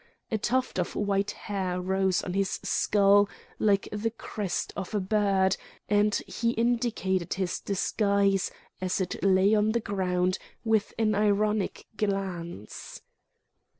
A tuft of white hair rose on his skull like the crest of a bird; and he indicated his disguise, as it lay on the ground, with an ironic glance.